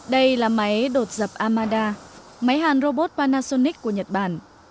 đây là máy đột dập amada máy hàn robot panasonic của nhật bản